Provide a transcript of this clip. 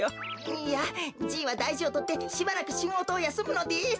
いやじいはだいじをとってしばらくしごとをやすむのです。